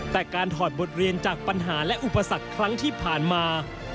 แต่การถอดบทเรียนจากปัญหาและอุปสรรคครั้งที่ผ่านมา